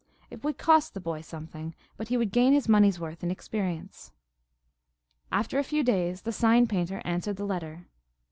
It would cost the boy something, but he would gain his money's worth in experience. After a few days the sign painter answered the letter.